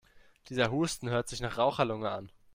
Dieser Husten hört sich nach Raucherlunge an.